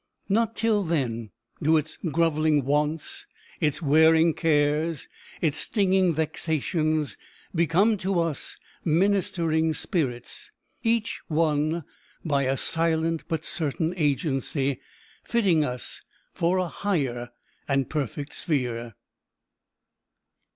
Not till then do its groveling wants, its wearing cares, its stinging vexations, become to us ministering spirits, each one, by a silent but certain agency, fitting us for a higher and perfect sphere.